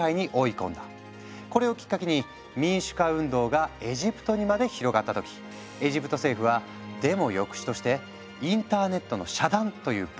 これをきっかけに民主化運動がエジプトにまで広がった時エジプト政府はデモ抑止としてインターネットの遮断という暴挙に出たんだ。